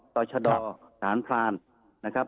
สร้อยชาดอร์สร้านพลานนะครับ